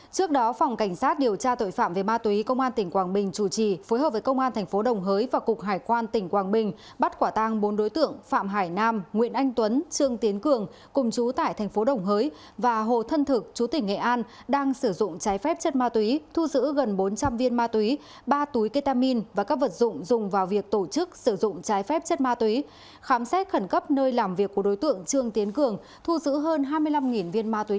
trước đó phòng cảnh sát điều tra tội phạm về ma túy công an tỉnh quảng bình chủ trì phối hợp với công an tp đồng hới và cục hải quan tỉnh quảng bình bắt quả tang bốn đối tượng phạm hải nam nguyễn anh tuấn trương tiến cường cùng chú tại tp đồng hới và hồ thân thực chú tỉnh nghệ an đang sử dụng trái phép chất ma túy thu giữ gần bốn trăm linh viên ma túy ba túi ketamin và các vật dụng dùng vào việc tổ chức sử dụng trái phép chất ma túy khám xét khẩn cấp nơi làm việc của đối tượng trương tiến cường thu giữ hơn hai mươi năm viên ma